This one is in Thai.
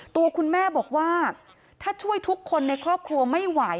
ตัวคุณแม่บอกว่าถ้าช่วยทุกคนในครอบครัวไม่ไหว